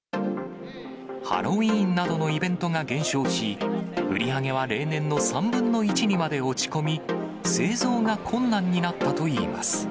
ハロウィンなどのイベントが減少し、売り上げは例年の３分の１にまで落ち込み、製造が困難になったといいます。